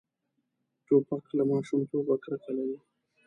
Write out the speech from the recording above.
توپک له ماشومتوبه کرکه لري.